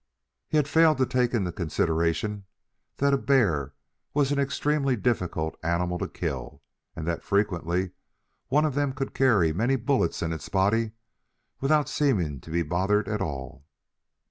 He had failed to take into consideration that a bear was an extremely difficult animal to kill, and that frequently one of them could carry many bullets in its body without seeming to be bothered at all.